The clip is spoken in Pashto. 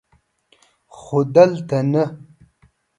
خو دلته نه!